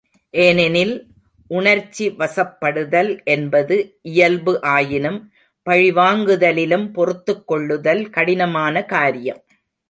ஏனெனில், உணர்ச்சி வசப்படுதல் என்பது இயல்பு ஆயினும் பழிவாங்குதலிலும், பொறுத்துக் கொள்ளுதல் கடினமான காரியம்.